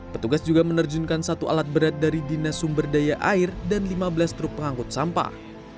petugas juga menerjunkan satu alat berat dari dinas sumber daya air dan lima belas truk pengangkut sampah